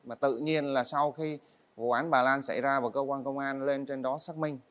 và tự nhiên là sau khi vụ án bà lan xảy ra và cơ quan công an lên trên đó xác minh